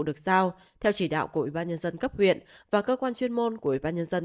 được giao theo chỉ đạo của ủy ban nhân dân cấp huyện và cơ quan chuyên môn của ủy ban nhân dân